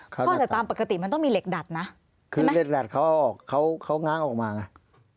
พ่อแต่ตามปกติมันต้องมีเหล็กดัดนะใช่ไหมคือเหล็กดัดเขาออกเขาเขาง้างออกมาไง